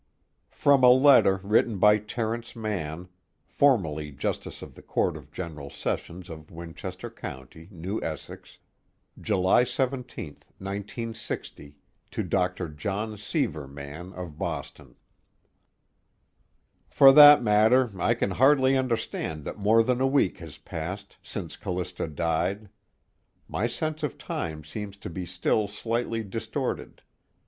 III _From a letter written by Terence Mann, formerly Justice of the Court of General Sessions of Winchester County, New Essex, July 17, 1960, to Dr. John Sever Mann, of Boston_: ... For that matter, I can hardly understand that more than a week has passed since Callista died. My sense of time seems to be still slightly distorted.